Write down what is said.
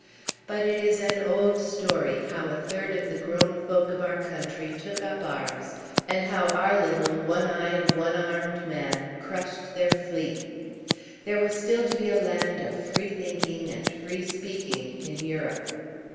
But it is an old story, how a third of the grown folk of our country took up arms, and how our little one eyed, one armed man crushed their fleet. There was still to be a land of free thinking and free speaking in Europe.